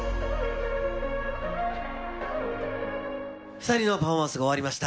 ２人のパフォーマンスが終わりました。